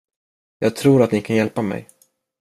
Jag tror att ni kan hjälpa mig.